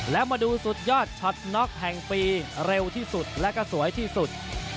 และมาดูสุดยอดช็อตน็อกแห่งปีเร็วที่สุดและก็สวยที่สุด